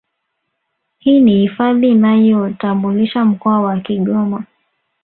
Hii ni hifadhi inayoutambulisha mkoa wa Kigoma